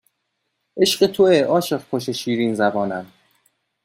عشق توئه عاشق کش شیرین زبانم